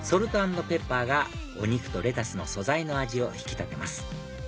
＆ペッパーがお肉とレタスの素材の味を引き立てます